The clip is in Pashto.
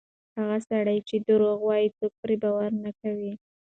هغه سړی چې درواغ وایي، څوک پرې باور نه کوي.